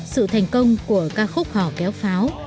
sự thành công của ca khúc họ kéo pháo